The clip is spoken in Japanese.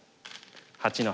８の八。